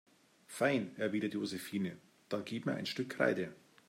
Fein, erwidert Josephine, dann gib mir ein Stück Kreide.